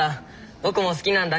僕も好きなんだ